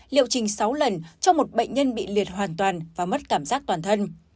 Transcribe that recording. liệu trình sáu lần cho một bệnh nhân bị liệt hoàn toàn và mất cảm giác toàn thân